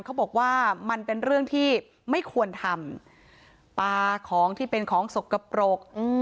เขาบอกว่ามันเป็นเรื่องที่ไม่ควรทำปลาของที่เป็นของสกปรก